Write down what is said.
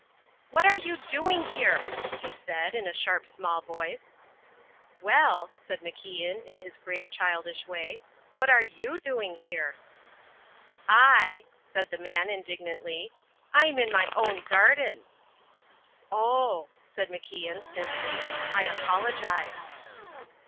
"What are you doing here?" he said, in a sharp small voice. "Well," said MacIan, in his grave childish way, "what are you doing here?" "I," said the man, indignantly, "I'm in my own garden." "Oh," said MacIan, simply, "I apologize."